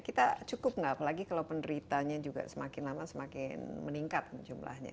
kita cukup nggak apalagi kalau penderitanya juga semakin lama semakin meningkat jumlahnya